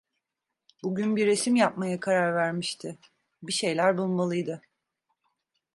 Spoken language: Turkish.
Bugün bir resim yapmaya karar vermişti, bir şeyler bulmalıydı.